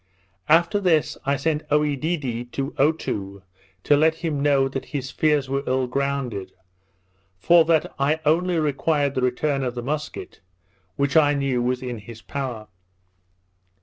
After this I sent Oedidee to Otoo to let him know that his fears were ill grounded; for that I only required the return of the musket, which I knew was in his power.